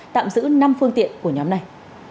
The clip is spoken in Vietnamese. tạm giữ năm phương tiện của nhóm này